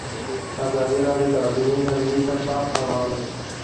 ازادي راډیو د اټومي انرژي ته پام اړولی.